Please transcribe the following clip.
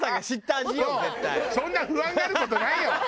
そんな不安がる事ないよ。